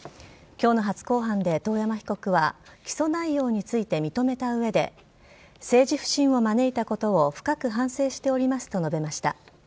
きょうの初公判で遠山被告は、起訴内容について認めたうえで、政治不信を招いたことを深く反省しておりますと述べました。